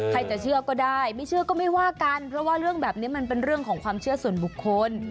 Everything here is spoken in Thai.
จะเชื่อก็ได้ไม่เชื่อก็ไม่ว่ากันเพราะว่าเรื่องแบบนี้มันเป็นเรื่องของความเชื่อส่วนบุคคล